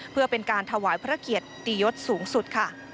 เป็นการถวายพระเกียจตียศสูงสุด